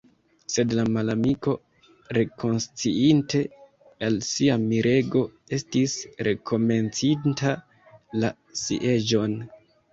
Sed la malamiko, rekonsciinte el sia mirego, estis rekomencinta la sieĝon.